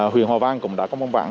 huyện hòa vang cũng đã có văn bản